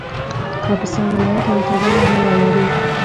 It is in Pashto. کاپیسا ولایت معتدله هوا لري